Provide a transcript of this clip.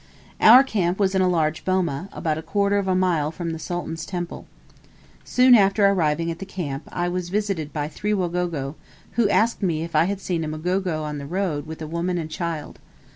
Our camp was in a large boma, about a quarter of a mile from the Sultan's tembe. Soon after arriving at the camp, I was visited by three Wagogo, who asked me if I had seen a Mgogo on the road with a woman and child.